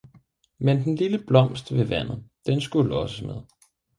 Men den lille blå blomst ved vandet, den skulle også med!